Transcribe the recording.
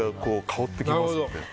香ってきますので。